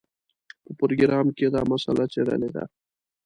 په پروګرام کې دا مسله څېړلې ده.